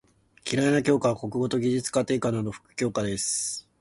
嫌いな教科は国語と技術・家庭科など副教科です。